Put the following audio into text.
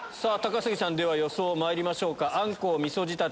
高杉さんでは予想まいりましょうか。